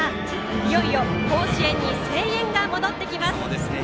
いよいよ甲子園に声援が戻ってきます。